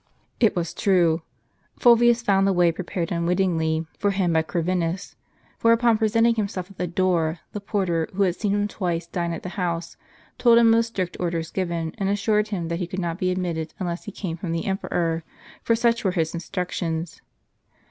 It was true. Fulvius found the way prepared unwittingly for him by Corvinus; for upon presenting himself at the door the porter, who had seen him twice dine at the house, told him of the strict orders given, and assured him that he could not be admitted unless he came from the emperor, for such were his instructions.